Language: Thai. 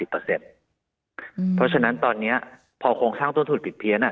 เพราะฉะนั้นตอนนี้พอโครงสร้างต้นทุนผิดเพี้ยน